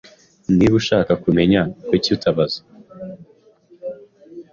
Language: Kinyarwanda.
Niba ushaka kumenya, kuki utabaza ?